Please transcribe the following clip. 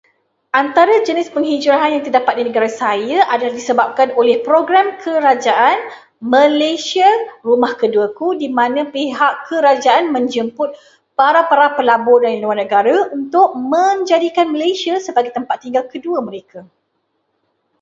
"Antara jenis penghijrahan yang terdapat di negara saya adalah disebabkan oleh program kerajaan ""Malaysia Rumah Keduaku"", di mana pihak kerajaan menjemput para-para pelabur dari luar negara untuk menjadikan Malaysia sebagai tempat tinggal kedua mereka,"